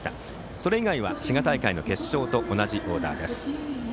それ以外は滋賀大会の決勝と同じオーダーです。